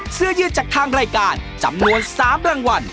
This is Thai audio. เสื้อยืดจากทางรายการจำนวน๓รางวัล